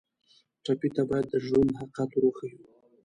ټپي ته باید د ژوند حقیقت ور وښیو.